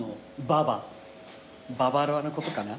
ババロアのことかな？